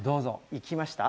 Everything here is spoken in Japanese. いきました？